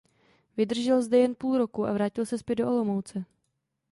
Vydržel zde jen půl roku a vrátil se zpět do Olomouce.